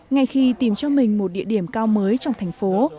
ngay khi tìm cho mình một địa điểm cao mới trong thành phố